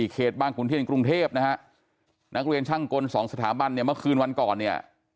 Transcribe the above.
เขตบางขุนเทียนกรุงเทพนะฮะนักเรียนช่างกลสองสถาบันเนี่ยเมื่อคืนวันก่อนเนี่ย